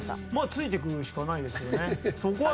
ついていくしかないですよね。